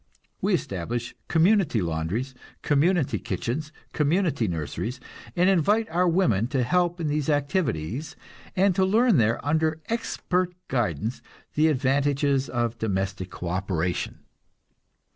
We establish community laundries, community kitchens, community nurseries, and invite our women to help in these activities, and to learn there, under expert guidance, the advantages of domestic co operation.